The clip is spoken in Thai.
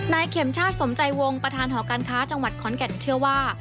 เข็มชาติสมใจวงประธานหอการค้าจังหวัดขอนแก่นเชื่อว่า